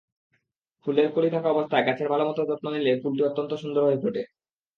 ফুলের কলি থাকা অবস্থায় গাছের ভালোমতো যত্ন নিলে ফুলটি অত্যন্ত সুন্দর হয়ে ফোটে।